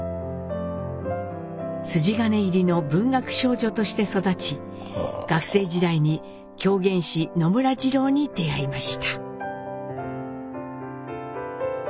筋金入りの文学少女として育ち学生時代に狂言師野村二朗に出会いました。